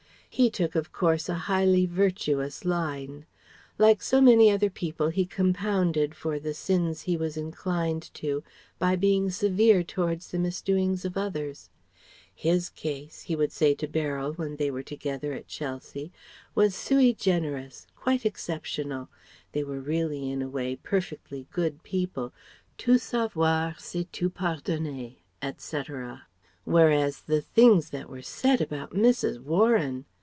He took of course a highly virtuous line. Like so many other people he compounded for the sins he was inclined to by being severe towards the misdoings of others. His case he would say to Beryl when they were together at Chelsea was sui generis, quite exceptional, they were really in a way perfectly good people Tout savoir c'est tout pardonner, etc.; whereas the things that were said about Mrs. Warren!...